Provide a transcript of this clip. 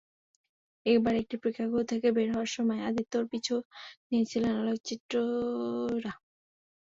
একবার একটি প্রেক্ষাগৃহ থেকে বের হওয়ার সময় আদিত্যর পিছু নিয়েছিলেন আলোকচিত্রীরা।